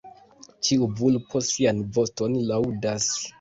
Ĉiu vulpo sian voston laŭdas.